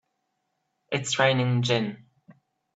It's raining gin!